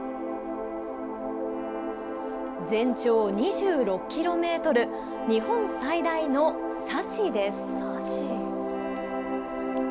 全長２６キロメートル、日本最大の砂嘴です。